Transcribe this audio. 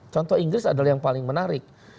contoh inggris adalah yang paling menarik